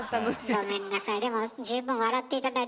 ごめんなさい。